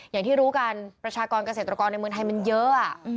อย่างที่รู้กันประชากรเกษตรกรในเมืองไทยมันเยอะ